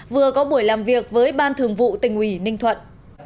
vừa có buổi làm việc với ban thường vụ tỉnh ủy ninh thuận